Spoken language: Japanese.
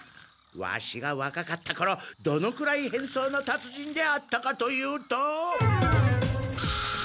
ワシがわかかったころどのくらい変装のたつ人であったかというと。